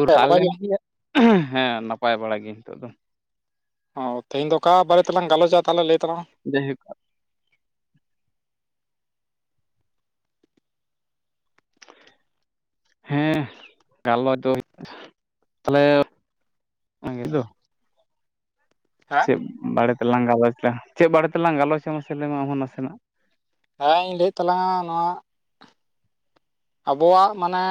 ᱩᱨ ᱦᱮᱸ ᱱᱟᱯᱟᱭ ᱥᱟᱨᱞᱮᱱ ᱜᱮ ᱜᱮᱭᱟ ᱦᱮᱸ ᱱᱟᱯᱟᱭ ᱵᱟᱲᱟ ᱜᱮ ᱱᱤᱛᱚᱜ ᱫᱚ᱾ ᱚ ᱛᱮᱦᱮᱧ ᱫᱚ ᱚᱠᱟ ᱵᱟᱨᱮ ᱛᱮᱞᱟᱝ ᱜᱟᱞᱚᱪᱟ ᱛᱟᱦᱞᱮ ᱞᱟᱹᱭ ᱛᱟᱞᱟᱝ ᱡᱟᱭ ᱦᱳᱠ ᱦᱮᱸ ᱜᱟᱞ ᱫᱚ ᱦᱩᱭᱩᱜ ᱛᱟᱦᱞᱮ ᱦᱮᱸ ᱪᱮᱜ ᱵᱟᱲᱮ ᱛᱮᱞᱟᱝ ᱜᱟᱞᱚᱪᱟ ᱪᱮᱜ ᱵᱲᱮ ᱛᱮᱞᱟᱝ ᱜᱟᱞᱚᱪᱟ ᱢᱟᱥᱮ ᱞᱟᱹᱭ ᱢᱮ ᱟᱢ ᱦᱚᱸ ᱱᱟᱥᱮᱱᱟᱜ? ᱦᱮᱸ ᱤᱧ ᱞᱟᱹᱭᱮᱫ ᱛᱟᱞᱟᱝᱟ ᱱᱚᱣᱟ ᱟᱵᱚᱣᱟᱜ ᱢᱟᱱᱮ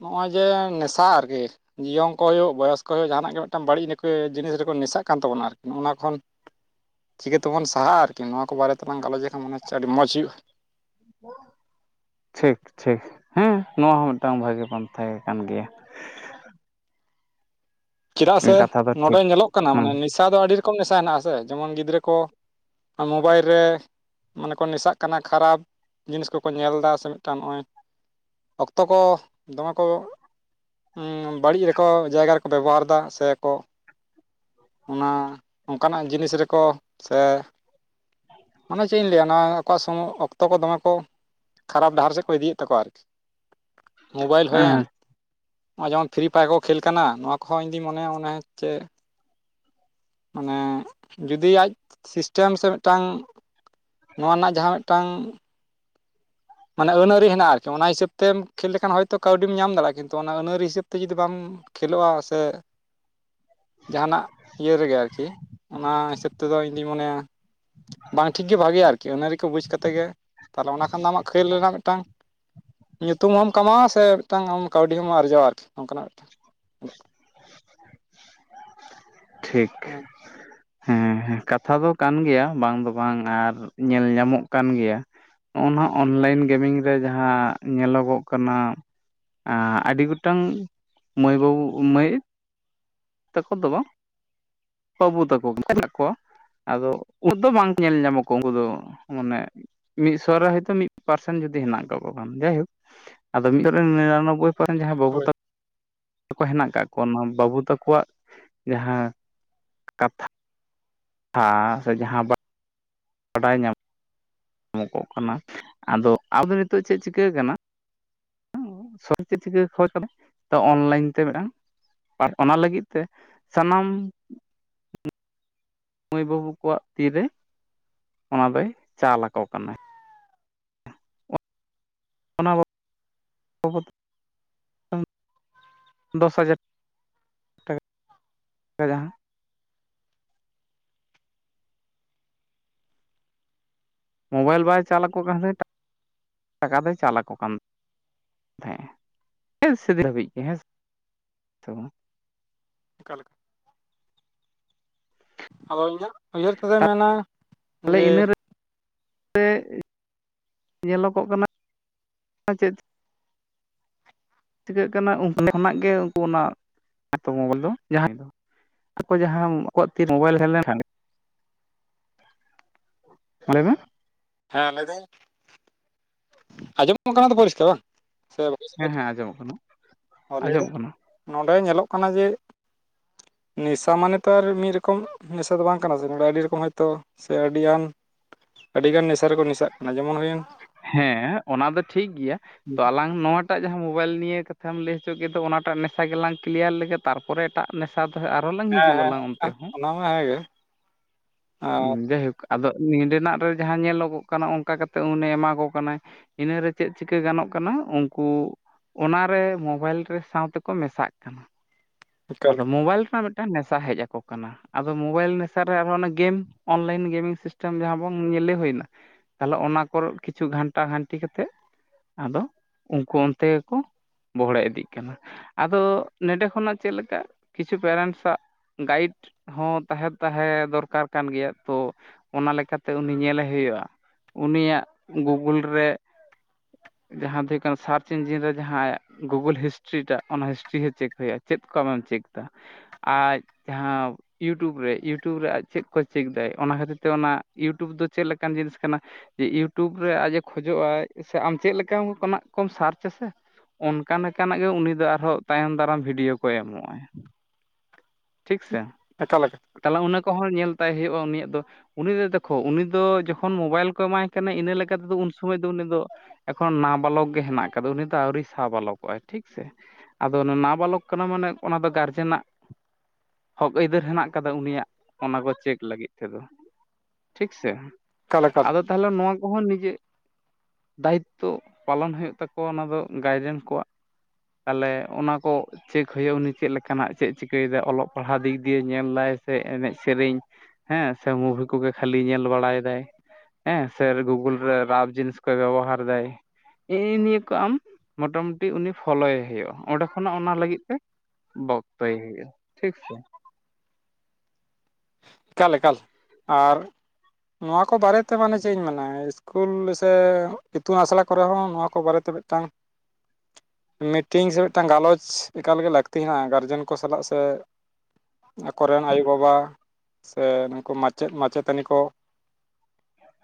ᱱᱚᱜᱼᱚᱭ ᱡᱮ ᱱᱮᱥᱟ ᱟᱨᱠᱤ ᱡᱤᱭᱚᱝ ᱠᱚ ᱦᱩᱭᱩᱜ ᱵᱚᱭᱚᱥ ᱠᱚ ᱦᱩᱭᱩᱜ ᱡᱟᱦᱟᱱᱟᱜ ᱜᱮ ᱢᱤᱜᱴᱟᱱ ᱵᱟᱹᱲᱤᱡ ᱡᱤᱱᱤᱥ ᱨᱮᱠᱚ ᱱᱮᱥᱟᱜ ᱠᱟᱱ ᱛᱟᱵᱚᱱᱟ ᱟᱨᱠᱤ ᱱᱚᱜᱼᱱᱟ ᱠᱷᱚᱱ [inaudible] ᱪᱤᱠᱟᱹ ᱛᱮᱵᱚᱱ ᱥᱟᱦᱟᱜᱼᱟ ᱟᱨᱠᱤ ᱱᱚᱣᱟ ᱠᱚ ᱵᱟᱨᱮ ᱛᱮᱞᱟᱝ ᱜᱟᱞᱚᱪ ᱞᱮᱠᱷᱟᱱ ᱢᱚᱱᱮ ᱦᱚᱪᱷᱮ ᱟᱹᱰᱤ ᱢᱚᱡᱽ ᱦᱩᱭᱩᱜᱼᱟ᱾ ᱴᱷᱤᱠ ᱴᱷᱤᱠ ᱦᱮᱸ ᱱᱚᱣᱟ ᱦᱚᱸ ᱢᱤᱜᱴᱟᱝ ᱵᱷᱟᱹᱜᱤ ᱯᱟᱱᱛᱷᱟ ᱠᱟᱱ ᱜᱮᱭᱟ᱾ ᱪᱮᱫᱟᱜ ᱥᱮ ᱠᱟᱛᱷᱟ ᱫᱚ ᱱᱚᱸᱰᱮ ᱴᱷᱤᱠ ᱧᱮᱞᱚᱜ ᱠᱟᱱᱟ ᱦᱮᱸ ᱢᱟᱱᱮ ᱱᱮᱥᱟ ᱫᱚ ᱟᱹᱰᱤ ᱨᱚᱠᱚᱢ ᱱᱮᱥᱟ ᱦᱮᱱᱟᱜᱼᱟ ᱥᱮ ᱡᱮᱢᱚᱱ ᱜᱤᱫᱽᱨᱟᱹ ᱠᱚ ᱟ ᱢᱳᱵᱟᱭᱤᱞ ᱨᱮ ᱢᱟᱱᱮ ᱠᱚ ᱱᱮᱥᱟᱜ ᱠᱟᱱᱟ ᱠᱷᱟᱨᱟᱯ ᱡᱤᱱᱤᱥ ᱠᱚᱠᱚ ᱧᱮᱞ ᱫᱟ ᱥᱮ ᱢᱤᱜᱴᱟᱝ ᱱᱚᱜᱼᱚᱭ ᱚᱠᱛᱚ ᱠᱚ ᱫᱚᱢᱮ ᱠᱚ ᱩᱸ ᱵᱟᱹᱲᱤᱡ ᱨᱮᱠᱚ ᱡᱟᱭᱜᱟ ᱨᱮᱠᱚ ᱵᱮᱵᱚᱦᱟᱨ ᱫᱟ ᱥᱮ ᱠᱚ ᱚᱱᱟ ᱚᱝᱠᱟᱱᱟᱜ ᱡᱤᱱᱤᱥ ᱨᱮᱠᱚ ᱥᱮ ᱢᱟᱱᱮ ᱪᱮᱜ ᱤᱧ ᱞᱟᱹᱭᱟ ᱚᱱᱟ ᱟᱠᱚᱣᱟᱜ ᱥᱚᱢᱚ ᱚᱠᱛᱚ ᱠᱚ ᱫᱚᱢᱮ ᱠᱚ ᱠᱷᱟᱨᱟᱯ ᱰᱟᱦᱟᱨ ᱥᱮᱜ ᱠᱚ ᱤᱫᱤᱭᱮᱜ ᱛᱟᱠᱚᱣᱟ ᱟᱨᱠᱤ᱾ ᱢᱳᱵᱟᱭᱤᱞ ᱦᱩᱭᱮᱱ ᱮᱸ ᱦᱚᱸᱜᱼᱚᱭ ᱡᱮᱢᱚᱱ ᱯᱷᱨᱤ ᱯᱷᱟᱭᱟᱨ ᱠᱚ ᱠᱷᱮᱹᱞ ᱠᱟᱱᱟ ᱱᱚᱣᱟ ᱠᱚ ᱦᱚᱸ ᱤᱧᱫᱤᱧ ᱢᱚᱱᱮᱭᱟ ᱚᱱᱮᱪᱮ ᱢᱟᱱᱮ ᱡᱩᱫᱤ ᱟᱡ ᱥᱤᱥᱴᱮᱢ ᱥᱮ ᱢᱤᱜᱴᱟᱝ ᱱᱚᱣᱟ ᱨᱮᱱᱟᱜ ᱡᱟᱦᱟᱸ ᱢᱤᱜᱴᱟᱝ ᱢᱟᱱᱮ ᱟᱹᱱ ᱟᱹᱨᱤ ᱦᱮᱱᱟᱜ ᱟᱨᱠᱤ ᱚᱱᱟ ᱦᱤᱥᱟᱹᱵᱛᱮᱢ ᱠᱷᱮᱹᱞ ᱞᱮᱠᱷᱟᱱ ᱦᱚᱭᱛᱳ ᱠᱟᱹᱣᱰᱤᱢ ᱧᱟᱢ ᱫᱟᱲᱮᱜᱼᱟ᱾ ᱠᱤᱱᱛᱩ ᱚᱱᱟ ᱟᱹᱱ ᱟᱹᱨᱤ ᱦᱤᱥᱟᱹᱵ ᱛᱮ ᱡᱩᱫᱤ ᱵᱟᱢ ᱠᱷᱮᱹᱞᱳᱜᱼᱟ ᱥᱮ ᱡᱟᱦᱟᱱᱟᱜ ᱤᱭᱟᱹ ᱨᱮᱜᱮ ᱟᱨᱠᱤ ᱚᱱᱟ ᱦᱤᱥᱟᱹᱵ ᱛᱮᱫᱚ ᱤᱧᱫᱚᱧ ᱢᱚᱱᱮᱭᱟ ᱵᱟᱝ ᱴᱷᱤᱠᱜᱮ ᱵᱷᱟᱜᱮᱭᱟ ᱟᱨᱠᱤ ᱟᱹᱱᱹ ᱟᱹᱨᱤ ᱠᱚ ᱵᱩᱡᱽ ᱠᱟᱛᱮᱜ ᱜᱮ ᱛᱟᱦᱞᱮ ᱚᱱᱟ ᱠᱷᱟᱱ ᱫᱚ ᱟᱢᱟᱜ ᱠᱷᱮᱹᱞ ᱨᱮᱱᱟᱜ ᱢᱤᱜᱴᱟᱝ ᱧᱩᱛᱩᱢ ᱦᱚᱢ ᱠᱟᱢᱟᱣᱟ ᱥᱮ ᱢᱤᱜᱴᱟᱝ ᱟᱢ ᱠᱟᱹᱣᱰᱤ ᱦᱚᱢ ᱟᱨᱡᱟᱣᱟ ᱟᱨᱠᱤ ᱱᱚᱝᱠᱟᱱᱟᱜ ᱢᱤᱜᱴᱟᱝ ᱴᱷᱤᱠ ᱟᱸ ᱦᱮᱸ ᱦᱮᱸ ᱦᱮᱸ ᱠᱟᱛᱷᱟ ᱫᱚ ᱠᱟᱱ ᱜᱮᱭᱟ ᱵᱟᱝ ᱫᱚ ᱵᱟᱝ ᱟᱨ ᱧᱮᱞ ᱧᱟᱢᱚᱜ ᱠᱟᱱ ᱜᱮᱭᱟ᱾ ᱦᱚᱜ ᱚ ᱱᱚᱣᱟ ᱚᱱᱞᱟᱭᱤᱱ ᱜᱮᱢᱤᱝ ᱨᱮ ᱡᱟᱦᱟᱸ ᱧᱮᱞᱚᱜᱚᱜ ᱠᱟᱱᱟ ᱟᱸ ᱟᱹᱰᱤ ᱜᱚᱴᱟᱝ ᱢᱟᱹᱭ ᱵᱟᱹᱵᱩ ᱢᱟᱹᱭ ᱛᱟᱠᱚ ᱫᱚ ᱵᱟᱝ ᱵᱟᱹᱵᱩ ᱛᱟᱠᱚ ᱢᱮᱱᱟᱜ ᱠᱚᱣᱟ ᱠᱷᱩᱵᱩᱫ ᱫᱚ ᱵᱟᱝ ᱧᱮᱞ ᱧᱟᱢᱟ ᱠᱚ ᱩᱝᱠᱩ ᱫᱚ ᱢᱟᱱᱮ ᱢᱤᱜᱥᱚ ᱨᱮ ᱦᱚᱭᱛᱚ ᱢᱤ ᱯᱟᱨᱥᱮᱱ ᱡᱩᱫᱤ ᱦᱮᱱᱟᱜ ᱠᱟᱠᱚ ᱠᱷᱟᱱ ᱡᱟᱭᱦᱳᱠ ᱟᱫᱚ ᱢᱤᱫᱚᱨᱮ ᱱᱤᱨᱟᱱᱳᱵᱵᱳᱭ-ᱸ ᱠᱚᱨᱮᱱ ᱡᱟᱦᱟᱸᱭ ᱵᱟᱹᱵᱩ ᱦᱳᱭ ᱛᱟᱠ ᱠᱚ ᱦᱮᱱᱟᱜ ᱠᱟᱜ ᱠᱚᱣᱟ ᱚᱱᱟ ᱵᱟᱹᱵᱩ ᱛᱟᱠᱚᱣᱟᱜ ᱡᱟᱦᱟᱸ ᱠᱟᱛᱷᱟ ᱛᱷᱟ ᱥᱮ ᱡᱟᱦᱟᱸ ᱫᱚ ᱵᱟᱰᱟᱭ ᱧᱟᱢ ᱢᱚᱜᱚᱜ ᱠᱟᱱᱟ ᱟᱫᱚ ᱟᱫᱚ ᱱᱤᱛᱚᱜ ᱪᱮᱜ ᱪᱤᱠᱟᱹ ᱠᱟᱱᱟ ᱥᱚᱨ ᱪᱮ ᱪᱤᱠᱟᱹ ᱠᱷᱚᱡ ᱠᱟᱱᱟ ᱛᱚ ᱚᱱᱞᱟᱭᱤᱱ ᱛᱮ ᱢᱤᱴᱟᱝ ᱟᱨ ᱚᱱᱟ ᱞᱟᱜᱤᱫ ᱛᱮ ᱥᱟᱱᱟᱢ ᱢᱟᱹᱭ ᱵᱟᱹᱵᱩ ᱠᱚᱣᱟᱜ ᱛᱤᱨᱮ ᱚᱱᱟ ᱫᱚᱭ ᱪᱟᱞ ᱟᱠᱚ ᱠᱟᱱᱟᱭ ᱚᱱᱟ ᱫᱚᱥ ᱦᱟᱡᱟᱨ ᱴᱟᱠᱟ ᱡᱟᱦᱟᱸ ᱢᱳᱵᱟᱭᱤᱞ ᱵᱟᱭ ᱪᱟᱞᱟᱠᱚ ᱠᱟᱱ ᱨᱮᱦᱚᱸ ᱴᱟᱠᱟ ᱫᱚᱭ ᱪᱟᱞᱟᱠᱚ ᱠᱟᱱᱟ ᱛᱟᱸᱦᱮᱡ ᱮ ᱮᱭ ᱥᱮ ᱫᱤᱱ ᱦᱟᱹᱵᱤᱡ ᱜᱮ ᱦᱮᱸ ᱥᱮ ᱛᱳ ᱚᱠᱟᱞᱮᱠ ᱟᱫᱚ ᱤᱧ ᱫᱚ ᱩᱭᱦᱟᱹᱨ ᱛᱮᱫᱚᱭ ᱢᱮᱱᱟ ᱛᱟᱦᱮ ᱡᱮ ᱤᱱᱟᱹ ᱨᱮ ᱥᱮ ᱧᱮᱞᱚᱜᱚᱜ ᱠᱟᱱᱟ ᱪᱮᱫ ᱪᱤᱠᱟᱹᱜ ᱠᱟᱱᱟ ᱚᱰᱮ ᱠᱷᱚᱱᱟᱜ ᱜᱮ ᱩᱱᱠᱩ ᱚᱱᱟ ᱢᱚᱝᱜᱚᱞ ᱫᱚ ᱡᱟᱦᱟᱸ [unintelligible] ᱟᱠᱚ ᱡᱟᱦᱟᱸ ᱟᱠᱚᱣᱟᱜ ᱛᱤ ᱢᱳᱵᱟᱭᱤᱞ ᱛᱟᱦᱮ ᱞᱮᱱᱠᱷᱟᱱ ᱞᱟᱹᱭ ᱢᱮ ᱦᱮᱸ ᱞᱟᱹᱭ ᱫᱟᱹᱧ ᱟᱸᱡᱚᱢᱚᱜ ᱠᱟᱱᱟ ᱛᱚ ᱯᱚᱨᱤᱥᱠᱟᱨ ᱵᱟᱝ ᱥᱮ ᱦᱮᱸ ᱦᱮᱸ [unintelligible] ᱟᱸᱡᱚᱢᱚᱜ ᱠᱟᱱᱟ ᱚ ᱟᱸᱡᱚᱢᱚᱜ ᱞᱟᱹᱭᱫᱟᱹᱧ ᱠᱟᱱᱟ ᱱᱚᱸᱰᱮ ᱧᱮᱞᱚᱜ ᱠᱟᱱᱟ ᱡᱮ ᱱᱮᱥᱟ ᱢᱟᱱᱮ ᱛᱚ ᱟᱨ ᱢᱤᱫ ᱨᱚᱠᱚᱢ ᱱᱮᱥᱟ ᱫᱚ ᱵᱟᱝ ᱠᱟᱱᱟ ᱥᱮ ᱱᱚᱰᱮ ᱟᱹᱰᱤ ᱨᱚᱠᱚᱢ ᱦᱚᱭᱛᱚ ᱥᱮ ᱟᱹᱰᱤᱜᱟᱱ ᱟᱹᱰᱤᱜᱟᱱ ᱱᱮᱥᱟ ᱨᱮᱠᱚ ᱢᱮᱥᱟᱜ ᱠᱟᱱᱟ ᱡᱮᱢᱚᱱ ᱦᱩᱭᱮᱱ ᱦᱮᱸ ᱚᱱᱟ ᱫᱚ ᱴᱷᱤᱠ ᱜᱮᱭᱟ ᱛᱚ ᱟᱞᱟᱝ ᱱᱚᱣᱟᱴᱟᱜ ᱡᱟᱦᱟᱸ ᱢᱳᱵᱟᱭᱤᱞ ᱱᱤᱭᱟᱹ ᱠᱟᱛᱷᱟᱢ ᱞᱟᱹᱭ ᱦᱚᱪᱚ ᱠᱮᱫᱟ ᱚᱱᱟᱴᱟᱜ ᱱᱮᱥᱟ ᱜᱮᱞᱟᱝ ᱠᱞᱤᱭᱟᱨ ᱞᱮᱜᱮ ᱛᱟᱨᱯᱚᱨᱮ ᱮᱴᱟᱜ ᱱᱮᱥᱟ ᱛᱮᱦᱚᱸ ᱟᱨᱦᱚᱸ ᱞᱟᱝ ᱦᱮᱸ ᱦᱤᱡᱩᱜ ᱟᱞᱟᱝ ᱚᱱᱛᱮ ᱦᱮᱸ ᱦᱚᱸ [unintelligible] ᱟᱨ ᱡᱟᱭᱦᱳᱠ ᱟᱫᱚ ᱱᱤᱰᱮᱱᱟᱜ ᱨᱮ ᱡᱟᱦᱟᱸ ᱧᱮᱞᱚᱜᱚᱜ ᱠᱟᱱᱟ ᱚᱱᱠᱟ ᱠᱟᱛᱮᱜ ᱩᱱᱮ ᱮᱢᱟ ᱠᱚ ᱠᱟᱱᱟᱭ ᱤᱱᱟᱹᱨᱮ ᱪᱮᱫ ᱪᱤᱠᱟᱹ ᱜᱟᱱᱚᱜ ᱠᱟᱱᱟ ᱩᱱᱠᱩ ᱚᱱᱟ ᱨᱮ ᱢᱳᱚᱵᱟᱭᱤᱞ ᱨᱮ ᱥᱟᱶᱛᱮᱠᱚ ᱢᱮᱥᱟᱜ ᱠᱟᱱᱟ ᱮᱠᱟᱞ ᱟᱫᱚ ᱢᱳᱵᱟᱭᱤᱞ ᱨᱮᱱᱟᱜ ᱢᱤᱫᱴᱟᱝ ᱱᱮᱥᱟ ᱦᱮᱡᱠᱚ ᱠᱟᱱᱟ ᱟᱫᱚ ᱢᱳᱵᱟᱭᱤᱞ ᱱᱮᱥᱟᱨ ᱨᱮ ᱟᱨᱦᱚᱸ ᱚᱱᱟ ᱜᱮᱢ ᱚᱱᱞᱟᱭᱤᱱ ᱜᱮᱢᱤᱝ ᱥᱤᱥᱴᱮᱢ ᱡᱟᱦᱟᱸ ᱵᱚᱱ ᱞᱮ ᱦᱩᱭᱱᱟ ᱛᱟᱦᱚᱞᱮ ᱚᱱᱟ ᱠᱚᱨᱮ ᱠᱤᱪᱷᱩ ᱜᱷᱟᱱᱴᱟ ᱜᱷᱟᱱᱴᱤ ᱠᱟᱛᱮᱫ ᱟᱫᱚ ᱩᱱᱠᱩ ᱚᱱᱛᱮ ᱜᱮᱠᱚ ᱵᱚᱦᱚᱲᱮ ᱤᱫᱤᱜ ᱠᱟᱱᱟ ᱟᱫᱚ ᱱᱚᱰᱮ ᱠᱷᱚᱱᱟᱜ ᱪᱮᱫ ᱞᱮᱠᱟ ᱠᱤᱪᱷᱩ ᱯᱮᱨᱮᱱᱴᱥᱟᱜ ᱜᱟᱭᱤᱰ ᱦᱚᱸ ᱛᱟᱦᱮᱸ ᱛᱟᱦᱮᱸ ᱫᱚᱨᱠᱟᱨ ᱠᱟᱱ ᱜᱮᱭᱟ ᱛᱚ ᱚᱱᱟ ᱞᱮᱠᱟᱛᱮ ᱩᱱᱤ ᱧᱮᱞᱮ ᱦᱩᱭᱩᱜᱼᱟ ᱩᱱᱤᱭᱟᱜ ᱜᱩᱜᱩᱞ ᱨᱮ ᱡᱟᱦᱟᱸ ᱫᱚ ᱦᱩᱭᱩᱜ ᱠᱟᱱᱟ ᱥᱟᱨᱪ ᱤᱧᱡᱤᱱ ᱨᱮ ᱡᱟᱦᱟᱸ ᱟᱭᱟᱜ ᱜᱩᱜᱩᱞ ᱦᱤᱥᱴᱨᱤ ᱴᱟᱜ ᱚᱱᱟ ᱦᱤᱥᱴᱨᱤ ᱜᱮ ᱪᱮᱠ ᱦᱳᱭᱳᱜᱼᱟ ᱪᱮᱫ ᱠᱚ ᱟᱢᱮᱢ ᱪᱮᱠ ᱫᱟ ᱟᱡ ᱡᱟᱦᱟᱸ ᱤᱭᱩᱴᱩᱵᱽ ᱨᱮ ᱤᱭᱩᱴᱩᱵᱽ ᱨᱮ ᱟᱡ ᱪᱮᱫ ᱠᱚ ᱪᱮᱠ ᱫᱟ ᱚᱱᱟ ᱠᱷᱟᱹᱛᱤᱨ ᱛᱮ ᱚᱱᱟ ᱤᱭᱩᱴᱩᱵᱽ ᱫᱚ ᱪᱮᱫ ᱞᱮᱠᱟᱱ ᱡᱤᱱᱤᱥ ᱠᱟᱱᱟ ᱮ ᱤᱭᱩᱴᱩᱵᱽ ᱨᱮ ᱟᱡᱼᱮ ᱠᱷᱚᱡᱚᱜ ᱟᱭ ᱥᱮ ᱟᱢ ᱪᱮᱫ ᱞᱮᱠᱟᱱᱟᱜ ᱠᱚᱢ ᱥᱟᱨᱪ ᱟᱥᱮ ᱚᱱᱠᱟ ᱞᱮᱠᱟᱱᱟᱜ ᱜᱮ ᱩᱱᱤ ᱫᱚ ᱟᱨᱦᱚᱸ ᱛᱟᱭᱚᱢ ᱫᱟᱨᱟᱢ ᱵᱷᱤᱰᱭᱳ ᱠᱚᱭ ᱮᱢᱚᱜ-ᱟᱭ ᱴᱷᱤᱠᱥᱮ ᱮᱠᱟᱞ ᱮᱠᱟᱞ ᱛᱟᱦᱚᱞᱮ ᱚᱱᱟ ᱠᱚᱦᱚᱸ ᱧᱮᱞ ᱛᱟᱭ ᱦᱳᱭᱩᱳᱜᱼᱟ ᱩᱱᱤᱭᱟᱜ ᱫᱚ ᱩᱱ ᱫᱚ ᱫᱮᱠᱷᱳ ᱩᱱᱤ ᱫᱚ ᱡᱚᱠᱷᱚᱱ ᱢᱳᱵᱟᱭᱤᱞ ᱠᱚ ᱮᱢᱟᱭ ᱠᱟᱱᱟ ᱤᱱᱟᱹ ᱞᱮᱠᱟᱛᱮᱫᱚ ᱩᱱ ᱥᱚᱢᱚᱭ ᱫᱚ ᱩᱱᱤ ᱫᱚ ᱮᱠᱷᱚᱱ ᱱᱟ ᱵᱟᱞᱚᱠ ᱜᱮ ᱦᱮᱱᱟᱜ ᱟᱠᱟᱫᱟ ᱩᱱᱤ ᱫᱚ ᱟᱣᱨᱤ ᱥᱟ ᱵᱟᱞᱚᱠᱚᱜᱼᱟᱭ ᱴᱷᱤᱠ ᱥᱮ ᱟᱫᱚ ᱱᱟ ᱵᱟᱞᱚᱠ ᱠᱟᱱᱟ ᱢᱟᱱᱮ ᱚᱱᱟ ᱫᱚ ᱜᱟᱨᱡᱮᱱᱟᱜ ᱦᱚᱠ ᱟᱹᱭᱫᱟᱹᱨ ᱦᱮᱱᱟᱜ ᱟᱠᱟᱫᱟ ᱩᱱᱤᱭᱟᱜ ᱚᱱᱟᱠᱚ ᱪᱮ ᱪᱮᱠ ᱞᱟᱹᱜᱤᱫ ᱛᱮᱫᱚ ᱴᱷᱤᱠ ᱥᱮ ᱮᱠᱟᱞ ᱟᱫᱚ ᱛᱟᱦᱚᱞᱮ ᱱᱚᱣᱟ ᱠᱚᱦᱚᱸ ᱱᱤᱡᱮ ᱫᱟᱭᱤᱛᱛᱚ ᱯᱟᱞᱚᱱ ᱦᱳᱭᱳᱜ ᱛᱟᱠᱚᱣᱟ ᱚᱱᱟ ᱫᱚ ᱜᱟᱨᱡᱮᱱ ᱠᱚᱣᱟᱜ ᱟᱞᱮ ᱚᱱᱟ ᱠᱚ ᱪᱮᱠ ᱦᱳᱭᱳᱜᱼᱟ ᱩᱱᱤ ᱪᱮᱫ ᱞᱮᱠᱟᱱᱟᱜ ᱪᱮᱫ ᱮ ᱪᱤᱠᱟᱹᱭᱮᱫᱟᱭ ᱚᱞᱚᱜ ᱯᱟᱲᱦᱟᱣ ᱫᱤᱠ ᱫᱤᱭᱟᱹ ᱧᱮᱞᱫᱟᱭ ᱥᱮ ᱮᱱᱮᱡ ᱥᱮᱨᱮᱧ ᱦᱮᱸ ᱥᱮ ᱢᱩᱵᱷᱤ ᱠᱚᱜᱮ ᱠᱷᱟᱹᱞᱤ ᱧᱮᱞ ᱵᱟᱲᱟᱭ ᱫᱟᱭ ᱦᱮᱸ ᱥᱮ ᱜᱩᱜᱩᱞ ᱨᱮ ᱨᱟᱵ ᱡᱤᱱᱤᱥ ᱠᱚ ᱵᱮᱵᱚᱦᱟᱨ ᱫᱟᱭ ᱦᱮᱜᱸᱼᱮ ᱱᱤᱭᱟᱹ ᱠᱚ ᱟᱢ ᱢᱳᱚᱴᱟᱢᱩᱴᱤ ᱩᱱᱤ ᱯᱷᱳᱞᱳᱭᱮ ᱦᱩᱭᱩᱜᱼᱟ ᱚᱸᱰᱮ ᱠᱷᱚᱱᱟᱜ ᱚᱱᱟ ᱞᱟᱜᱤᱫ ᱛᱮ ᱵᱚᱠᱛᱚᱭ ᱦᱳᱭᱳᱜ-ᱟ ᱴᱷᱤᱠ ᱥᱮ ᱮᱠᱟᱞ ᱮᱠᱟᱞ ᱟᱨ ᱱᱚᱣᱟ ᱠᱚ ᱵᱟᱨᱮᱛᱮ ᱢᱟᱱᱮ ᱪᱮᱫ ᱤᱧ ᱢᱮᱱᱟ ᱤᱥᱠᱩᱞ ᱥᱮ ᱤᱛᱩᱱ ᱟᱥᱲᱟ ᱠᱚᱨᱮ ᱦᱚᱸ ᱱᱚᱣᱟ ᱠᱚ ᱵᱟᱨᱮᱛᱮ ᱢᱤᱫᱴᱟᱝ ᱢᱤᱴᱤᱝ ᱥᱮ ᱢᱤᱫᱴᱟᱝ ᱜᱟᱞᱚᱪ ᱮᱠᱟᱞᱜᱮ ᱞᱟᱹᱠᱛᱤ ᱦᱮᱱᱟᱜ-ᱟ ᱜᱟᱨᱡᱮᱱ ᱠᱚ ᱥᱟᱞᱟᱜ ᱥᱮ ᱟᱠᱚᱨᱮᱱ ᱟᱭᱳᱵᱟᱵᱟ ᱥᱮ ᱱᱩᱠᱩ ᱢᱟᱪᱮᱫ ᱢᱟᱪᱮᱛᱟᱹᱱᱤ ᱠᱚ,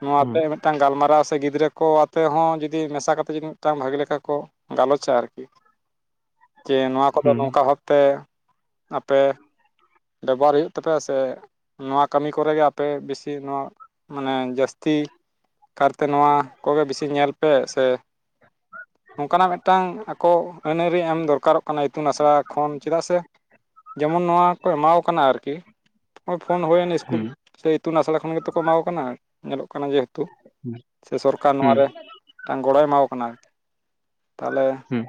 ᱱᱚᱣᱟ ᱦᱩᱸ ᱛᱮ ᱢᱤᱫᱴᱟᱝ ᱜᱟᱞᱢᱟᱨᱟᱣ ᱥᱮ ᱜᱤᱫᱽᱨᱟᱹ ᱠᱚ ᱟᱛᱮ ᱦᱚᱸ ᱡᱩᱫᱤ ᱢᱮᱥᱟ ᱠᱟ ᱠᱟᱛᱮ ᱡᱩᱫᱤ ᱢᱤᱫᱴᱟᱝ ᱵᱷᱟᱜᱤ ᱞᱮᱠᱟ ᱠᱚ ᱜᱟᱞᱚᱪᱟ ᱟᱨᱠᱤ᱾ ᱡᱮ ᱱᱚᱣᱟ ᱠᱚᱫᱚ ᱦᱩᱸ ᱱᱚᱝᱠᱟ ᱵᱷᱟᱵᱛᱮ ᱟᱯᱮ ᱵᱮᱵᱚᱦᱟᱨ ᱦᱩᱭᱩᱜ ᱛᱟᱯᱮᱭᱟ ᱥᱮ ᱱᱚᱣᱟ ᱠᱟᱹᱢᱤ ᱠᱚᱨᱮᱜᱮ ᱟᱯᱮ ᱵᱤᱥᱤ ᱱᱚᱣᱟ ᱢᱟᱱᱮ ᱡᱟᱥᱛᱤ ᱠᱟᱨᱛᱮ ᱱᱚᱣᱟ ᱠᱚᱜᱮ ᱵᱮᱥᱤ ᱧᱮᱞ ᱯᱮ ᱥᱮ [inaudible] ᱱᱚᱝᱠᱟᱱᱟᱜ ᱢᱤᱫᱴᱟᱝ ᱟᱠᱚ ᱟᱹᱱᱨᱤ ᱮᱢ ᱫᱚᱨᱠᱟᱨᱚᱜ ᱠᱟᱱᱟ ᱤᱛᱩᱱ ᱟᱥᱲᱟ ᱠᱷᱚᱱ ᱪᱮᱫᱟᱜ ᱥᱮ, ᱡᱮᱢᱚᱱ ᱱᱚᱣᱟ ᱠᱚ ᱮᱢᱟᱣ ᱠᱚ ᱠᱟᱱᱟ ᱟᱨᱠᱤ ᱱᱚᱜ ᱯᱷᱳᱱ ᱦᱩᱭᱮᱱ ᱤᱥᱠᱩᱞ ᱦᱩᱸ ᱥᱮ ᱤᱛᱩᱱ ᱟᱥᱲᱟ ᱠᱷᱚᱱ ᱜᱮᱛᱚ ᱠᱚ ᱮᱢᱟ ᱠᱟᱱᱟ ᱧᱮᱞᱚᱜ ᱠᱟᱱᱟ ᱡᱮᱦᱮᱛᱩ ᱥᱮ ᱥᱚᱨᱠᱟᱨ ᱦᱩᱸ ᱦᱩᱸ ᱱᱚᱣᱟᱨᱮ ᱢᱤᱫᱴᱟᱝ ᱜᱚᱲᱚᱭ ᱮᱢᱟᱣ ᱠᱚ ᱠᱟᱱᱟ ᱟᱨᱠᱤ ᱛᱟᱦᱚᱞᱮ ᱦᱩ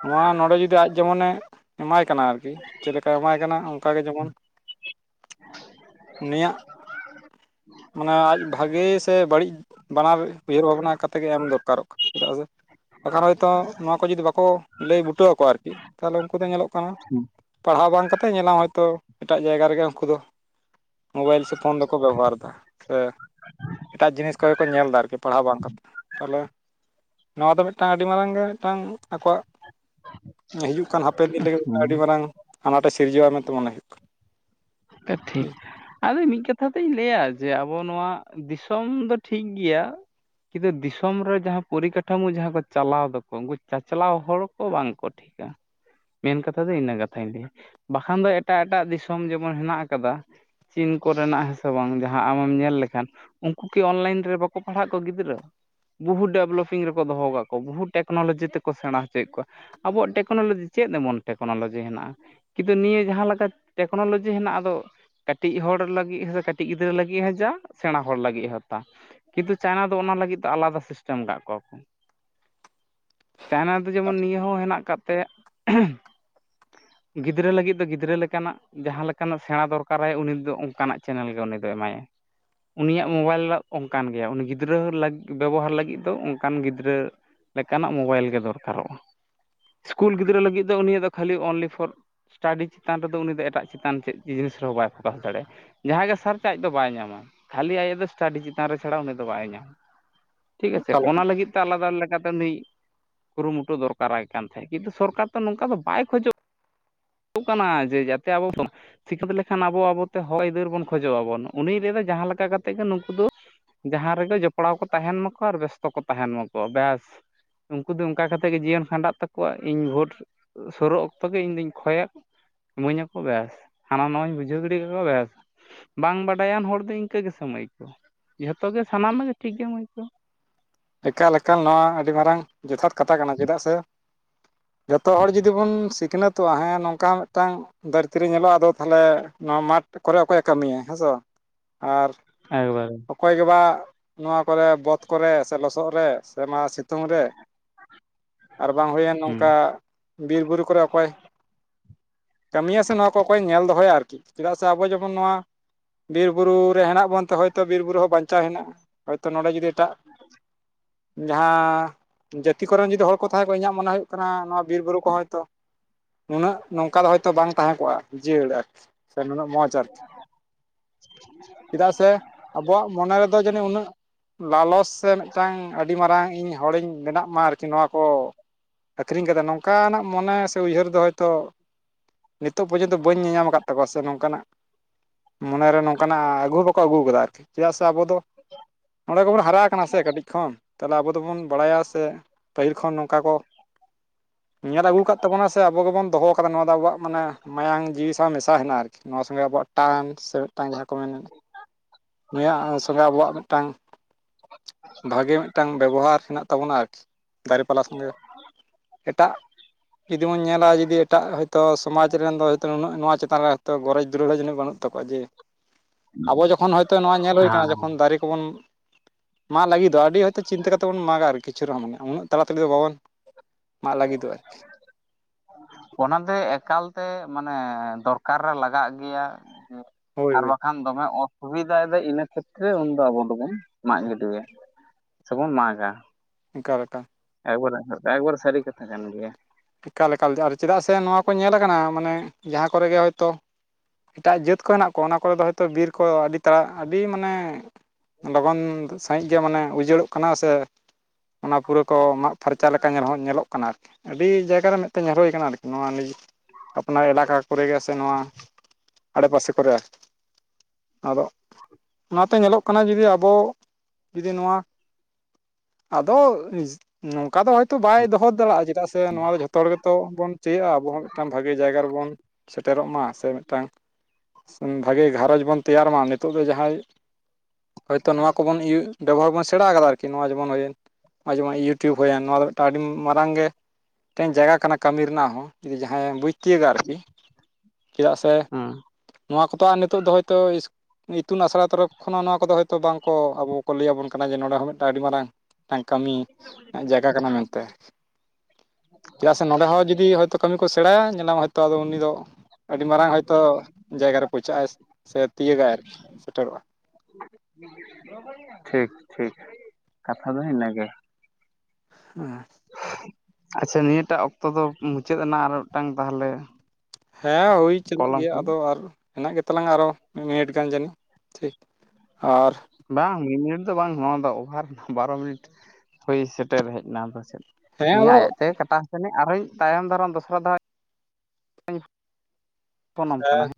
ᱱᱚᱣᱟ ᱱᱚᱰᱮ ᱡᱩᱫᱤ ᱟᱡ ᱡᱮᱢᱚᱱᱮ ᱮᱢᱟᱭ ᱠᱟᱱᱟ ᱟᱨᱠᱤ ᱪᱮᱫᱠᱟᱭ ᱮᱢᱟᱭ ᱠᱟᱱᱟ᱾ ᱚᱱᱠᱟᱜ ᱜᱮ ᱡᱮᱢᱚᱱ ᱩᱱᱤᱭᱟᱜ ᱢᱟᱱᱮ ᱟᱡ ᱵᱷᱟᱜᱮ ᱥᱮ ᱵᱟᱹᱲᱤᱡ ᱵᱟᱱᱟᱨ ᱩᱭᱦᱟᱹᱨ ᱵᱷᱟᱵᱽᱱᱟ ᱠᱟᱛᱮᱫ ᱜᱮ ᱮᱢ ᱫᱚᱨᱠᱟᱨᱚᱜ ᱠᱟᱱᱟ ᱪᱮᱫᱟᱜ ᱥᱮ ᱵᱟᱠᱷᱟᱱ ᱦᱚᱭᱛᱳ ᱱᱚᱣᱟ ᱠᱚ ᱡᱩᱫᱤ ᱵᱟᱠᱚ ᱞᱟᱹᱭ ᱵᱩᱴᱟᱹ ᱟᱠᱚᱣᱟ ᱟᱨᱠᱤ ᱛᱟᱦᱚᱞᱮ ᱩᱱᱠᱩ ᱫᱚ ᱧᱮᱞᱚᱜ ᱠᱟᱱᱟ, ᱯᱟᱲᱦᱟᱣ ᱵᱟᱝ ᱠᱟᱛᱮ ᱧᱮᱞᱟ ᱦᱚᱭᱛᱳ ᱮᱴᱟᱜ ᱡᱟᱭᱜᱟ ᱨᱮᱜᱮ ᱩᱱᱠᱩ ᱫᱚ᱾ ᱢᱳᱵᱟᱭᱤᱞ ᱥᱮ ᱯᱷᱳᱱ ᱫᱚᱠᱚ ᱵᱮᱵᱚᱦᱟᱨ ᱮᱫᱟ, ᱥᱮ ᱮᱴᱟᱜ ᱡᱤᱱᱤᱥ ᱠᱚᱜᱮ ᱠᱚ ᱧᱮᱞ ᱮᱫᱟ ᱟᱨᱠᱤ ᱯᱟᱲᱦᱟᱣ ᱵᱟᱝ ᱠᱟᱛᱮ ᱛᱟᱦᱚᱞᱮ ᱱᱚᱣᱟ ᱫᱚ ᱢᱤᱫᱴᱟᱝ ᱟᱹᱰᱤ ᱢᱟᱨᱟᱝ ᱜᱮ ᱢᱤᱫᱴᱟᱝ ᱟᱠᱚᱣᱟᱜ ᱦᱤᱡᱩᱜ ᱠᱟᱱ ᱦᱟᱯᱮᱱ ᱫᱤᱱ ᱞᱟᱹᱜᱤᱫ ᱟᱹᱰᱤ ᱦᱮᱸ ᱢᱟᱨᱟᱝ ᱟᱱᱟᱴᱮ ᱥᱤᱨᱡᱟᱹᱣᱟ ᱢᱮᱱᱛᱮ ᱢᱚᱱᱮ ᱦᱩᱭᱩᱜ ᱠᱟᱱᱟ᱾ ᱛᱟ ᱴᱷᱤᱠ ᱟᱫᱚ ᱢᱤᱫ ᱠᱟᱛᱷᱟ ᱛᱮᱧ ᱞᱟᱹᱭᱟ ᱡᱮ ᱟᱵᱚ ᱱᱚᱣᱟ ᱫᱤᱥᱚᱢ ᱫᱚ ᱴᱷᱤᱠ ᱜᱮᱭᱟ᱾ ᱠᱤᱱᱛᱩ ᱫᱤᱥᱚᱢ ᱨᱮ ᱡᱟᱦᱟᱸ ᱯᱚᱨᱤᱠᱟᱴᱷᱟᱢᱳ ᱡᱟᱦᱟᱸ ᱠᱚ ᱪᱟᱞᱟᱣ ᱫᱟᱠᱚ ᱩᱱᱠᱩ ᱪᱟᱪᱞᱟᱣ ᱦᱚᱲ ᱠᱚ ᱵᱟᱝ ᱠᱚ ᱴᱷᱤᱠ ᱢᱮᱱ ᱠᱟᱛᱷᱟ ᱫᱚ ᱤᱱᱟᱹ ᱠᱟᱛᱷᱟᱧ ᱞᱟᱹᱭᱟ ᱵᱟᱠᱷᱟᱱ ᱫᱚ ᱮᱴᱟᱜ ᱮᱴᱟᱜ ᱫᱤᱥᱚᱢ ᱡᱮᱢ ᱡᱮᱢᱚᱱ ᱦᱮᱱᱟᱜ ᱟᱠᱟᱫᱟ ᱪᱤᱱ ᱠᱚᱨᱮᱱᱟᱜ ᱦᱮᱸᱥᱮ ᱵᱟᱝ ᱡᱟᱦᱟᱸ ᱟᱢᱮᱢ ᱧᱮᱞ ᱞᱮᱠᱷᱟᱱ ᱩᱱᱠᱩ ᱠᱤ ᱚᱱᱞᱟᱭᱤᱱ ᱨᱮ ᱵᱟᱠᱚ ᱯᱟᱲᱦᱟᱣᱭᱮᱫ ᱠᱚᱣᱟ ᱜᱤᱫᱽᱨᱟᱹ ᱵᱚᱦᱩ ᱰᱮᱵᱷᱞᱚᱯᱤᱝ ᱨᱮ ᱠᱚ ᱫᱚᱦᱚ ᱟᱠᱟᱜ ᱠᱚᱣᱟ ᱵᱚᱦᱩ ᱴᱮᱠᱱᱳᱞᱚᱡᱤ ᱛᱮᱠᱚ ᱥᱮᱬᱟ ᱦᱚᱪᱚᱭᱮᱫ ᱠᱚᱣᱟ ᱟᱵᱚᱣᱟᱜ ᱴᱮᱠᱱᱳᱞᱚᱡᱤ ᱪᱮᱫ ᱮᱢᱚᱱ ᱴᱮᱠᱱᱳᱞᱚᱡᱤ ᱦᱮᱱᱟᱜ-ᱟ ᱠᱤᱱᱛᱩ ᱱᱤᱭᱟᱹ ᱡᱟᱦᱟᱸ ᱞᱮᱠᱟ ᱴᱮᱠᱱᱳᱞᱚᱡ... ᱡᱤ ᱦᱮᱱᱟᱜ ᱟᱫᱚ ᱠᱟᱹᱴᱤᱡ ᱦᱚᱲ ᱞᱟᱹᱜᱤᱫ ᱦᱚᱸ ᱠᱟᱹᱴᱤᱡ ᱜᱤᱫᱽᱨᱟᱹ ᱞᱟᱹᱜᱤᱫ ᱦᱚᱸ ᱡᱟ, ᱥᱮᱬᱟ ᱦᱚᱲ ᱞᱟᱹᱜᱤᱫ ᱦᱚᱸ ᱛᱟ, ᱠᱤᱱᱛᱩ ᱪᱟᱭᱱᱟ ᱫᱚ ᱚᱱᱟ ᱞᱟᱹᱜᱤᱫ ᱫᱚ ᱟᱞᱟᱫᱟ ᱥᱤᱥᱴᱮᱢ ᱠᱟᱜ ᱠᱚᱣᱟ ᱠᱚ [inaudible] ᱪᱟᱭᱱᱟ ᱨᱮ ᱫᱚ ᱡᱮᱢᱚᱱ ᱱᱤᱭᱟᱹ ᱦᱚᱸ ᱦᱮᱱᱟᱜ ᱠᱟᱫ ᱛᱟᱭᱟ.. [unintelligible] ᱜᱤᱫᱽᱨᱟᱹ ᱞᱟᱹᱜᱤᱫ ᱫᱚ ᱜᱤᱫᱽᱨᱟᱹ ᱞᱮᱠᱟᱱᱟᱜ ᱡᱟᱦᱟᱸ ᱞᱮᱠᱟ ᱠᱟᱱᱟ ᱥᱮᱬᱟ ᱫᱚᱨᱠᱟᱨᱟᱭ ᱩᱱᱤ ᱫᱚ ᱚᱱᱠᱟᱱᱟᱜ ᱪᱮᱱᱮᱞ ᱜᱮ ᱩᱱᱤ ᱫᱚᱭ ᱮᱢᱟᱭᱟ ᱩᱱᱤᱭᱟᱜ ᱢᱳᱵᱟᱭᱤᱞ ᱫᱳ ᱚᱱᱠᱟᱱ ᱜᱮᱭᱟ ᱩᱱᱤ ᱜᱤᱫᱽᱨᱟᱹ ᱞᱟᱹᱜᱤᱫ ᱵᱮᱵᱚᱦᱟᱨ ᱞᱟᱹᱜᱤᱫ ᱫᱚ ᱚᱱᱠᱟᱱ ᱜᱤᱫᱽᱨᱟᱹ ᱞᱮᱠᱟᱱᱟᱜ ᱢᱳᱵᱟᱭᱤᱞ ᱜᱮ ᱫᱚᱨᱠᱟᱨᱚᱜ-ᱟ ᱤᱥᱠᱩᱞ ᱜᱤᱫᱽᱨᱟᱹ ᱞᱟᱹᱜᱤᱫ ᱫᱚ ᱩᱱᱤᱭᱟᱜ ᱫᱚ ᱠᱷᱟᱹᱞᱤ ᱚᱱᱞᱤ ᱯᱷᱚᱨ ᱥᱴᱟᱰᱤ ᱪᱮᱛᱟᱱ ᱨᱮᱫᱚ ᱩᱱᱤ ᱫᱚ ᱮᱴᱟᱜ ᱪᱮᱛ ᱪᱮᱛᱟᱱ ᱪᱮᱫ ᱡᱤᱱᱤᱥ ᱨᱮᱦᱚᱸ ᱵᱟᱭ ᱯᱷᱳᱠᱟᱥ ᱫᱟᱲᱮᱭᱟᱜ-ᱟ ᱡᱟᱦᱟᱸᱜᱮ ᱥᱟᱨᱪ ᱟᱭ ᱟᱫᱳ ᱵᱟᱭ ᱧᱟᱢᱟ ᱠᱷᱟᱞᱤ ᱟᱭᱟᱜ ᱫᱚ ᱥᱴᱟᱰᱤ ᱪᱮᱛᱟᱱ ᱨᱮ, ᱪᱷᱟᱲᱟ ᱩᱱᱤ ᱫᱚ ᱵᱟᱭ ᱧᱟᱢ ᱴᱷᱤᱠ ᱟᱪᱷᱮ ᱠᱟᱱᱟ ᱚᱱᱟ ᱞᱟᱹᱜᱤᱫ [unintelligible] ᱟᱞᱟᱫᱟ ᱞᱮᱠᱟᱛᱮ ᱱᱩᱭ ᱠᱩᱨᱩᱢᱩᱴᱩ ᱫᱚᱨᱠᱟᱨᱟᱭ ᱠᱟᱱ ᱛᱟᱦᱮᱸᱫ ᱠᱤᱱᱛᱩ ᱥᱚᱨᱠᱟᱨ ᱫᱚ ᱱᱚᱝᱠᱟ ᱫᱚ ᱵᱟᱭ ᱠᱷᱚᱡᱚᱜ, ᱜ ᱠᱟᱱᱟᱭ ᱡᱮ ᱡᱟᱛᱮ ᱟᱵᱚ [unintelligible] ᱥᱤᱠᱷᱟᱹᱛ ᱞᱮᱠᱷᱟᱱ ᱟᱵᱚ ᱟᱵᱚᱛᱮ ᱦᱚᱭ ᱟᱹᱣᱫᱟᱹᱨ ᱵᱚᱱ ᱠᱷᱚᱡᱚᱜ ᱟᱵᱚᱱ ᱩᱱᱤ ᱞᱟᱹᱭ ᱮᱫᱟ ᱡᱟᱦᱟᱸ ᱞᱮᱠᱟ ᱠᱟᱛᱮᱫ ᱜᱮ ᱱᱩᱠᱩ ᱫᱚ ᱡᱟᱦᱟᱸ ᱨᱮᱜᱮ ᱡᱚᱯᱲᱟᱣ ᱠᱚ ᱛᱟᱦᱮᱱ ᱢᱟᱠᱚ ᱟᱨ ᱵᱮᱥᱛᱚ ᱠᱚ ᱛᱟᱦᱮᱱ ᱢᱟᱠᱚ ᱵᱮᱥ ᱩᱱᱠᱩ ᱫᱚ ᱚᱱᱠᱟ ᱠᱟᱛᱮ ᱜᱮ ᱡᱤᱭᱚᱱ ᱠᱷᱟᱸᱰᱟᱜ ᱛᱟᱠᱚᱣᱟ ᱤᱧ ᱵᱷᱳᱴ ᱥᱩᱨᱚᱜ ᱚᱠᱛᱚ ᱜᱮ ᱤᱧᱫᱚᱩᱧ ᱠᱷᱚᱭᱮᱠ ᱤᱢᱟᱹᱧᱟ ᱟᱠᱚ ᱵᱮᱥ ᱦᱟᱱᱟ ᱱᱟᱣᱟᱧ ᱵᱩᱡᱷᱟᱹᱣ ᱜᱤᱲᱤ ᱠᱟᱠᱚᱣᱟ ᱵᱮᱥ ᱵᱟᱝ ᱵᱟᱰᱟᱭᱟᱱ ᱦᱚᱲ ᱫᱚ ᱤᱱᱠᱟᱹ ᱜᱮ ᱥᱮᱢ ᱟᱹᱭᱠᱟᱹᱣᱟ ᱡᱚᱛᱚ ᱜᱮ ᱥᱟᱱᱟᱢ ᱜᱮ ᱴᱷᱤᱠ ᱜᱮᱢ ᱟᱹᱭᱠᱟᱹᱣᱟ ᱮᱠᱟᱞ ᱮᱠᱟᱞ ᱱᱚᱶᱟ ᱟᱹᱰᱤ ᱢᱟᱨᱟᱝ ᱡᱚᱛᱷᱟᱛ ᱠᱟᱛᱷᱟ ᱠᱟᱱᱟ ᱪᱮᱫᱟᱜ ᱥᱮ ᱡᱷᱚᱛᱚ ᱦᱚᱲ ᱡᱩᱫᱤ ᱵᱚᱱ ᱥᱤᱠᱷᱱᱟᱹᱛᱚᱜᱼᱟ ᱦᱮᱸ ᱱᱚᱝᱠᱟ ᱢᱤᱫᱴᱟᱝ ᱫᱷᱟᱹᱨᱮ ᱛ ᱨᱮ ᱧᱮᱞᱚᱜᱼᱟ ᱟᱫᱚ ᱛᱟᱦᱚᱞᱮ ᱱᱚᱶᱟ ᱢᱟᱨᱴ ᱠᱚᱨᱮ ᱚᱠᱚᱭᱮ ᱠᱟᱹᱢᱤᱭᱟ ᱦᱮᱸᱥᱮ ᱵᱟ ᱟᱨ ᱮᱠᱵᱟᱨᱮ ᱚᱠᱚᱭ ᱜᱮ ᱵᱟ ᱱᱚᱶᱟ ᱠᱚᱨᱮ ᱵᱚᱛ ᱠᱚᱨᱮ ᱥᱮ ᱞᱚᱥᱚᱫ ᱨᱮ ᱥᱮ ᱱᱚᱶᱟ ᱥᱤᱛᱩᱝ ᱨᱮ ᱟᱨ ᱵᱟᱝ ᱦᱩᱭᱮᱱ ᱦᱩᱸ ᱱᱚᱝᱠᱟ ᱵᱤᱨ ᱵᱩᱨᱩ ᱠᱚᱨᱮ ᱚᱠᱚᱭ ᱠᱟᱹᱢᱤᱭᱟ ᱥᱮ ᱱᱚᱣᱟ ᱠᱚ ᱚᱠᱚᱭ ᱧᱮᱞ ᱫᱚᱦᱚᱭᱟ ᱟᱨᱠᱤ ᱪᱮᱫᱟᱜ ᱥᱮ ᱟᱵᱚ ᱡᱮᱢᱚᱱ ᱱᱚᱶᱟ ᱵᱤᱨ ᱵᱩᱨᱩ ᱨᱮ ᱦᱮᱱᱟᱜ ᱵᱚᱱᱛᱮ ᱦᱚᱭᱛᱚ ᱵᱤᱨ ᱵᱩᱨᱩ ᱦᱚᱸ ᱵᱟᱱᱪᱟᱣ ᱦᱮᱱᱟᱜᱼᱟ ᱦᱚᱭᱛᱚ ᱱᱚᱸᱰᱮ ᱡᱩᱫᱤ ᱮᱴᱟᱜ ᱡᱟᱦᱟᱸ ᱡᱟᱹᱛᱤ ᱠᱚᱨᱮᱱ ᱡᱩᱫᱤ ᱦᱚᱲ ᱠᱚ ᱛᱟᱦᱮᱸ ᱠᱚᱜ ᱤᱧᱟᱹᱜ ᱢᱚᱱᱮ ᱦᱩᱭᱩᱜ ᱠᱟᱱᱟ ᱱᱚᱣᱟ ᱵᱤᱨᱼᱵᱩᱨᱩ ᱠᱚ ᱦᱚᱭᱛᱚ ᱱᱩᱱᱟᱹᱜ ᱱᱚᱝᱠᱟ ᱫᱚ ᱦᱚᱭᱛᱚ ᱵᱟᱝ ᱛᱟᱦᱮᱸ ᱠᱚᱜᱼᱟ ᱡᱤᱭᱟᱹᱲ ᱟᱨᱠᱤ ᱥᱮ ᱱᱩᱱᱟᱹᱜ ᱢᱚᱡᱽ ᱟᱨᱠᱤ ᱪᱮᱫᱟᱜ ᱥᱮ ᱟᱵᱚᱣᱟᱜ ᱢᱚᱱᱮ ᱨᱮᱫᱚ ᱡᱟᱹᱱᱤᱡ ᱩᱱᱟᱹᱜ ᱞᱟᱞᱚᱥ ᱥᱮ ᱢᱤᱫᱴᱟᱝ ᱟᱹᱰᱤ ᱢᱟᱨᱟᱝ ᱤᱧ ᱦᱚᱲᱤᱧ ᱵᱮᱱᱟᱜ ᱢᱟ ᱟᱨᱠᱤ ᱱᱚᱶᱟ ᱠᱚ ᱟᱹᱠᱷᱨᱤᱧ ᱠᱟᱛᱮ ᱱᱚᱝᱠᱟᱱᱟᱜ ᱢᱚᱱᱮ ᱥᱮ ᱩᱭᱦᱟᱹᱨ ᱫᱚ ᱦᱚᱭᱛᱚ ᱱᱤᱛᱳᱜ ᱯᱚᱨᱡᱚᱱᱛᱚ ᱵᱟᱹᱧ ᱧᱮᱧᱟᱢ ᱟᱠᱟᱫ ᱛᱟᱠᱚᱣᱟ ᱥᱮ ᱱᱚᱝᱠᱟᱱᱟᱜ ᱢᱚᱱᱮ ᱨᱮ ᱱᱚᱝᱠᱟᱱᱟᱜ ᱟᱹᱜᱩ ᱦᱚᱸ ᱵᱟᱠᱚ ᱟᱹᱜᱩ ᱟᱠᱟᱫᱟ ᱟᱨᱠᱤ ᱪᱮᱫᱟᱜ ᱥᱮ ᱟᱵᱚ ᱫᱚ ᱱᱚᱰᱮ ᱜᱮ ᱵᱚᱱ ᱦᱟᱨᱟ ᱟᱠᱟᱱᱟ ᱥᱮ ᱠᱟᱹᱴᱤᱡ ᱚᱢ ᱛᱟᱦᱚᱞᱮ ᱟᱵᱚ ᱫᱚ ᱵᱚᱱ ᱵᱟᱲᱟᱭᱟ ᱥᱮ ᱯᱟᱹᱦᱤᱞ ᱠᱷᱚᱱ ᱱᱚᱝᱠᱟ ᱠᱚ ᱧᱮᱞ ᱟᱹᱜᱩ ᱟᱠᱟᱫ ᱛᱟᱵᱚᱱᱟ ᱥᱮ ᱟᱵᱚ ᱜᱮ ᱵᱚᱱ ᱫᱚᱦᱚ ᱟᱠᱟᱫᱟ ᱱᱚᱶᱟ ᱫᱚ ᱟᱵᱚᱣᱟᱜ ᱢᱟᱱᱮ ᱢᱟᱭᱟᱝ ᱡᱤᱣᱤ ᱥᱟᱶ ᱢᱮᱥᱟ ᱦᱮᱱᱟᱜᱼᱟ ᱟᱨᱠᱤ ᱱᱚᱣᱟ ᱥᱚᱸᱜᱮ ᱟᱵᱚᱣᱟᱜ ᱴᱟᱱᱜᱥ ᱥᱮ ᱢᱤᱫᱴᱟᱝ ᱡᱟᱦᱟᱸ ᱠᱚ ᱢᱮᱱᱮᱫ ᱱᱩᱭ ᱟᱜ ᱥᱚᱸᱜᱮ ᱟᱵᱚᱣᱟᱜ ᱢᱤᱫᱴᱟᱝ ᱵᱷᱟᱜᱮ ᱢᱤᱫᱴᱟᱝ ᱵᱮᱵᱚᱦᱟᱨ ᱦᱮᱱᱟᱜ ᱛᱟᱵᱚᱱᱟ ᱟᱨᱠᱤ ᱫᱟᱨᱮ ᱯᱟᱞᱟ ᱥᱚᱸᱜᱮ ᱮᱴᱟᱜ ᱡᱩᱫᱤ ᱵᱚᱱ ᱧᱮᱞᱟ ᱡᱩᱫᱤ ᱮᱴᱟᱜ ᱦᱚᱭᱛᱚ ᱥᱚᱢᱟᱡᱽ ᱨᱮᱱ ᱫᱚ ᱦᱚᱭᱛᱳ ᱱᱩᱱᱟᱹᱜ ᱪᱮᱛᱟᱱ ᱨᱮ ᱦᱚᱭᱛᱚ ᱜᱚᱨᱚᱡᱽ ᱫᱩᱞᱟᱹᱲ ᱦᱚᱸ ᱡᱟᱹᱱᱤᱜ ᱵᱟᱹᱱᱩᱜᱼᱟ ᱛᱟ ᱠᱚᱣᱟ ᱡᱮ ᱟᱵᱚ ᱡᱚᱠᱷᱚᱱ ᱦᱚᱭᱛᱚ ᱱᱚᱣᱟ ᱧᱮᱞ ᱦᱩᱭ ᱦᱮᱸ ᱟᱠᱟᱱᱟ ᱡᱚᱠᱷᱚᱱ ᱫᱟᱨᱮ ᱠᱚᱵᱚᱱ ᱢᱟᱜ ᱞᱟᱹᱜᱤᱫ ᱫᱚ ᱟᱹᱰᱤ ᱦᱚᱭᱛᱚ ᱪᱤᱱᱛᱟᱹ ᱠᱟᱛᱮ ᱵᱚᱱ ᱢᱟᱜᱽ-ᱟ ᱟᱨᱠᱤ ᱠᱤᱪᱷᱩ ᱨᱮᱦᱚᱸ ᱢᱟᱱᱮ ᱩᱱᱟᱹᱜ ᱛᱟᱲᱟᱛᱟᱹᱲᱤ ᱫᱚ ᱵᱟᱵᱚᱱ ᱢᱟᱜ ᱞᱟᱹᱜᱤᱫᱚᱜᱼᱟ ᱟᱨᱠᱤ। [unintelligible] ᱚᱱᱟᱛᱮ ᱮᱠᱟᱞ ᱛᱮ ᱢᱟᱱᱮ ᱫᱚᱨᱠᱟᱨ ᱨᱮ ᱞᱟᱜᱟᱜ ᱜᱮᱭᱟ ᱦᱳᱭ ᱟᱨ ᱦᱳᱭ ᱵᱟᱠᱷᱟᱱ ᱫᱚᱢᱮ ᱚᱛ ᱥᱩᱵᱤᱫᱟᱭ ᱫᱟᱭ ᱤᱱᱟᱹ ᱠᱷᱮᱛᱨᱮ ᱩᱱᱫᱚ ᱟᱵᱚ ᱫᱚᱵᱚᱱ ᱢᱟᱜ ᱜᱤᱰᱤᱭᱟ ᱥᱮ ᱵᱚᱱ ᱢᱟᱜᱽ-ᱟ ᱚᱠᱟ ᱞᱮᱠᱟ ᱮᱠᱵᱟᱨᱮ ᱮᱠᱵᱟᱨ ᱥᱟᱹᱨᱤ ᱠᱟᱛᱷᱟ ᱠᱟᱱ ᱜᱮᱭᱟ ᱮᱠᱟᱞ ᱮᱠᱟᱞ ᱟᱨ ᱪᱮᱫᱟᱜ ᱥᱮ ᱱᱚᱶᱟ ᱠᱚ ᱧᱮᱞ ᱟᱠᱟᱱᱟ ᱢᱟᱱᱮ ᱡᱟᱦᱟᱸ ᱠᱚᱨᱮ ᱜᱮ ᱦᱚᱭᱛᱚ ᱮᱴᱟᱜ ᱡᱟᱹᱛ ᱠᱚ ᱦᱮᱱᱟᱜ ᱠᱚᱣᱟ ᱚᱱᱟ ᱠᱚᱨᱮ ᱫᱚ ᱦᱚᱭᱛᱚ ᱵᱤᱨ ᱠᱳ ᱟᱹᱰᱤ ᱛᱟᱲᱟ ᱟᱹᱰᱤ ᱢᱟᱱᱮ ᱞᱚᱜᱚᱱ ᱥᱟᱺᱦᱤᱡ ᱜᱮ ᱢᱟᱱᱮ ᱩᱡᱟᱹᱲᱚᱜ ᱠᱟᱱᱟ ᱥᱮ ᱚᱱᱟ ᱯᱩᱨᱟᱹ ᱠᱚ ᱢᱟᱜ ᱯᱷᱟᱨᱪᱟ ᱞᱮᱠᱟ ᱧᱮᱞ ᱦᱚᱸ ᱧᱮᱞᱚᱜ ᱠᱟᱱᱟ ᱟᱨᱠᱤ ᱟᱹᱰᱤ ᱟᱹᱰᱤ ᱡᱟᱭᱜᱟ ᱨᱮ ᱢᱮᱫ ᱛᱮ ᱧᱮᱞ ᱦᱳᱭ ᱠᱟᱱᱟ ᱟᱨᱠᱤ ᱱᱚᱣᱟ ᱱᱤᱡᱮ ᱟᱯᱱᱟᱨ ᱮᱞᱟᱠᱟ ᱠᱚᱨᱮ ᱜᱮ ᱥᱮ ᱱᱚᱣᱟ ᱟᱲᱮᱯᱟᱥᱮ ᱠᱚᱨᱮ ᱟᱨᱠᱤ ᱟᱫᱚ ᱚᱱᱟᱛᱮ ᱧᱮᱞᱚᱜ ᱠᱟᱱᱟ ᱡᱩᱫᱤ ᱟᱵᱚ ᱡᱩᱫᱤ ᱱᱚᱣᱟ ᱟᱫᱚ ᱱᱚᱝᱠᱟ ᱫᱚ ᱦᱚᱭᱛᱚ ᱵᱟᱭ ᱫᱚᱦᱚ ᱫᱟᱲᱮᱭᱟᱜᱼᱟ ᱪᱮᱫᱟᱜ ᱥᱮ ᱥᱮ ᱱᱚᱣᱟ ᱫᱚ ᱡᱷᱚᱛᱚ ᱦᱚᱲ ᱜᱮᱛᱚ ᱵᱚᱱ ᱪᱟᱹᱭᱟᱹᱜ ᱟ ᱟᱵᱚ ᱦᱚᱸ ᱢᱤᱫᱴᱟᱝ ᱵᱷᱟᱜᱮ ᱵᱷᱟᱜᱮ ᱡᱟᱭᱜᱟ ᱨᱮ ᱵᱚᱱ ᱥᱮᱴᱮᱨᱚᱜ ᱢᱟ ᱥᱮ ᱢᱤᱫᱴᱟᱝ ᱩᱸ ᱵᱷᱟᱜᱮ ᱜᱷᱟᱨᱚᱸᱡᱽ ᱵᱚᱱ ᱛᱮᱭᱟᱨ ᱢᱟ ᱱᱤᱛᱳᱜ ᱫᱚ ᱡᱟᱦᱟᱸᱭ ᱦᱚᱭᱛᱚ ᱱᱚᱣᱟ ᱠᱚ ᱵᱚᱱ ᱤᱭᱟᱹ ᱵᱮᱵᱚᱦᱟᱨ ᱵᱚᱱ ᱥᱮᱬᱟ ᱠᱟᱫᱟ ᱟᱨᱠᱤ ᱱᱚᱣᱟ ᱡᱮᱢᱚᱱ ᱦᱩᱭᱮᱱ ᱱᱚᱜ-ᱚᱭ ᱡᱮᱢᱚᱱ ᱤᱭᱩᱴᱩᱵᱽ ᱦᱩᱭᱮᱱ ᱱᱚᱣᱟ ᱫᱚ ᱢᱤᱫᱴᱟᱱ ᱟᱹᱰᱤ ᱢᱟᱨᱟᱝ ᱜᱮ ᱢᱤᱫᱴᱮᱱ ᱡᱟᱭᱜᱟ ᱠᱟᱱᱟ ᱠᱟᱹᱢᱤ ᱨᱮᱱᱟᱜ ᱦᱚᱸ ᱡᱩᱫᱤ ᱡᱟᱦᱟᱸᱭᱮ ᱵᱩᱡᱽ ᱛᱤᱭᱳᱜᱟ ᱟᱨᱠᱤ ᱪᱮᱫᱟᱜ ᱥᱮ ᱦᱮᱸ ᱱᱚᱣᱟ ᱠᱚᱫᱚ ᱟᱨ ᱱᱤᱛᱳᱜ ᱫᱚ ᱦᱚᱭᱛᱚ ᱤᱥᱠᱩᱞ ᱤᱛᱩᱱ ᱟᱥᱲᱟ ᱛᱚᱨᱚᱯᱷ ᱠᱷᱚᱱᱟᱜ ᱱᱚᱣᱟ ᱠᱚᱫᱚ ᱦᱚᱭᱛᱚ ᱵᱟᱝᱠᱚ ᱟᱵᱚ ᱠᱚ ᱞᱟᱹᱭ ᱟᱵᱚᱱ ᱠᱟᱱᱟ ᱡᱮ ᱱᱚᱸᱰᱮ ᱦᱚᱸ ᱢᱤᱫᱴᱟᱝ ᱟᱹᱰᱤ ᱢᱟᱨᱟᱝ ᱢᱤᱫᱴᱟᱱ ᱠᱟᱹᱢᱤ ᱡᱟᱭᱜᱟ ᱠᱟᱱᱟ ᱢᱮᱱᱛᱮ [unintelligible] ᱪᱮᱫᱟᱜ ᱥᱮ ᱱᱚᱰᱮ ᱦᱚᱸ ᱡᱩᱫᱤ ᱦᱚᱭᱛᱚ ᱠᱟᱹᱢᱤ ᱠᱚ ᱥᱮᱲᱟᱭᱟ ᱧᱮᱞᱟᱢ ᱦᱚᱭᱛᱚ ᱟᱫᱚ ᱩᱱᱤ ᱫᱚ ᱟᱹᱰᱤ ᱢᱟᱨᱟᱝ ᱦᱚᱭᱛᱳ ᱡᱟᱭᱜᱟᱟᱨ ᱨᱮ ᱯᱳᱣᱪᱷᱟᱹᱜᱟᱭ ᱥᱮ ᱛᱤᱭᱟᱹᱜᱟᱭ ᱟᱨᱠᱤ ᱥᱮᱴᱮᱨᱚᱜᱼᱟ [unintelligible] ᱴᱷᱤᱠ ᱴᱷᱤᱠ ᱠᱟᱛᱷᱟ ᱫᱚ ᱤᱱᱟᱹᱜᱮ ᱟᱨᱮᱸ [unintelligible] ᱟᱪᱪᱷᱟ ᱱᱤᱭᱟᱹᱴᱟᱜ ᱚᱠᱛᱚ ᱫᱚ ᱢᱩᱪᱟᱹᱫ ᱮᱱᱟ ᱟᱨ ᱢᱤᱫᱴᱟᱝ ᱛᱟᱦᱚᱞᱮ ᱦᱮᱸ ᱦᱩᱭ ᱪᱟᱞᱟᱜ ᱠᱚᱞᱟᱢ ᱜᱮᱭᱟ ᱠᱟᱱᱟ ᱟᱫᱚ ᱟᱨ ᱦᱮᱱᱟᱜ ᱜᱮᱛᱟᱟᱞᱟᱝ ᱟᱨᱚ ᱢᱤᱫ ᱢᱤᱱᱤᱴ ᱜᱟᱱ ᱡᱟᱹᱱᱤᱡ ᱴᱷᱤᱠ ᱟᱨ ᱵᱟᱝ ᱢᱤᱫ ᱢᱤᱱᱤᱴ ᱫᱚ ᱵᱟᱝ ᱱᱚᱣᱟ ᱫᱚ ᱚᱵᱷᱟᱨ ᱵᱟᱨᱚ ᱢᱤᱱᱤᱴ ᱦᱩᱭ ᱥᱮᱴᱮᱨ ᱦᱮᱡ ᱮᱱᱟ ᱟᱫᱚ ᱪᱮᱫ ᱦᱮᱸ ᱱᱤᱭᱟᱹ ᱟᱫᱚ ᱟᱭᱟᱜ ᱛᱮ ᱠᱟᱴᱟ ᱥᱱᱤ ᱟᱨᱦᱚᱧ ᱛᱟᱭᱚᱢ ᱫᱚᱨᱚᱱ ᱫᱚᱥᱨᱟ ᱫᱷᱟᱣ ᱜᱚᱱᱚᱝ ᱠᱟᱱᱟ ᱦᱮᱸ